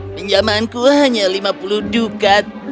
pinjamanku hanya lima puluh dukat